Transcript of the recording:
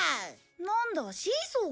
なんだシーソーか。